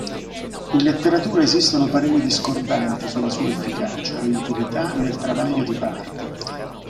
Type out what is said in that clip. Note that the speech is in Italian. In letteratura esistono pareri discordanti sulla sua efficacia e utilità nel travaglio di parto.